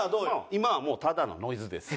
今はもうただのノイズです。